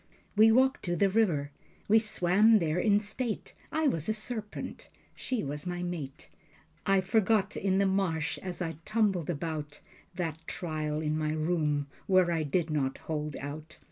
We walked to the river. We swam there in state. I was a serpent. She was my mate. I forgot in the marsh, as I tumbled about, That trial in my room, where I did not hold out.